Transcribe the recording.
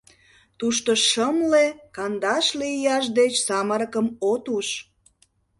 Тушто шымле-кандашле ияш деч самырыкым от уж.